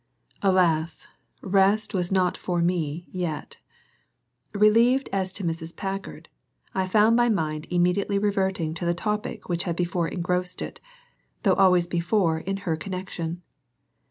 Alas! rest was not for me yet. Relieved as to Mrs. Packard, I found my mind immediately reverting to the topic which had before engrossed it, though always before in her connection.